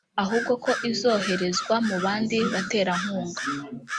ahubwo ko izoherezwa mu bandi baterankunga